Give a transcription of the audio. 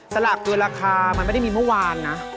สลากเกินราคามันไม่ได้มีเมื่อวานนะ